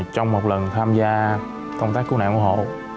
trong một lần tham gia công tác cứu nạn của hộ